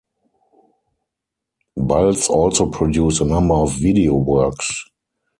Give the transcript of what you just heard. Baltz also produced a number of video works.